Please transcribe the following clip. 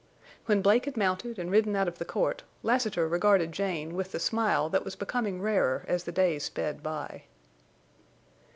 When Blake had mounted and ridden out of the court Lassiter regarded Jane with the smile that was becoming rarer as the days sped by.